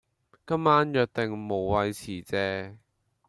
今晚約定無謂辭謝